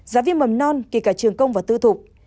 giáo viên mầm non kể cả trường công và tư thục